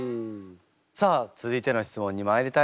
さあ続いての質問にまいりたいと思います。